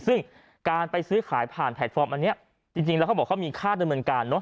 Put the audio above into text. ซึ่งการไปซื้อขายผ่านแพลดฟอร์มอันเนี้ยจริงจริงเราก็บอกเขามีค่าด้วยเหมือนกันเนอะ